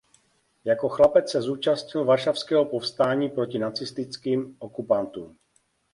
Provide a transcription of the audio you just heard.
Jako chlapec se zúčastnil varšavského povstání proti nacistickým okupantům.